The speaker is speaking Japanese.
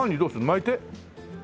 巻いて？